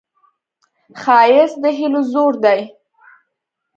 ښایست د هیلو زور دی